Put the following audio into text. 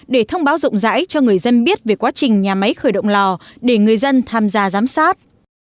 để thông báo rộng rãi cho người dân biết về quá trình nhà máy khởi động lò để người dân tham gia giám sát